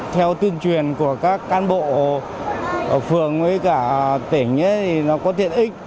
theo tuyên truyền của các can bộ ở phường với cả tỉnh thì nó có tiện ích